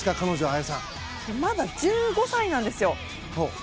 まだ１５歳なんですよ。